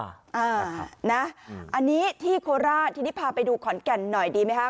อันนี้ที่โคราชทีนี้พาไปดูขอนแก่นหน่อยดีไหมคะ